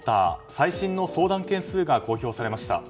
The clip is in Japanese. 最新の相談件数が公表されました。